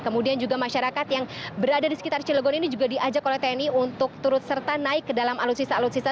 kemudian juga masyarakat yang berada di sekitar cilegon ini juga diajak oleh tni untuk turut serta naik ke dalam alutsista alutsista